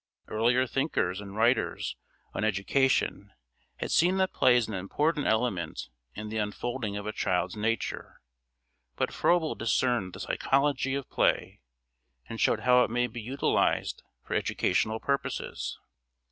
Earlier thinkers and writers on education had seen that play is an important element in the unfolding of a child's nature, but Froebel discerned the psychology of play and showed how it may be utilised for educational purposes.